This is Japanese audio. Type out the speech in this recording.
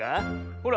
ほら！